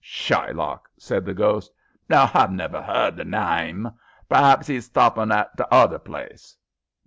"Shylock!" said the ghost. "No, h'I've never 'eard the naime. Perhaps 'e's stoppin' at the hother place."